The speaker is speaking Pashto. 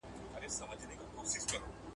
پوهانو په عمل کي تجربې تکرار نه کړې.